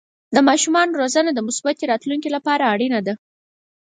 د ماشومانو روزنه د مثبتې راتلونکې لپاره اړینه ده.